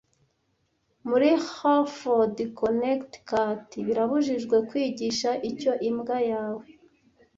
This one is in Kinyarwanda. Muri Hartford Connecticut birabujijwe kwigisha icyo imbwa yawe